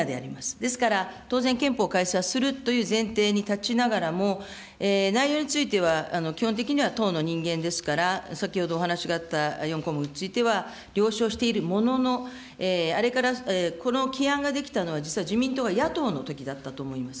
ですから、当然、憲法改正はするという前提に立ちながらも、内容については基本的には党の人間ですから、先ほどお話があった４項目については、了承しているものの、あれから、この起案ができたのは、実は自民党が野党のときだったと思います。